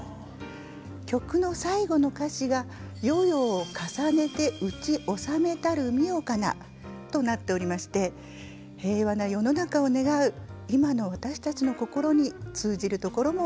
曲の最後の歌詞が「世々を重ねてうち治めたる御代かな」となっておりまして平和な世の中を願う今の私たちの心に通じるところもございます。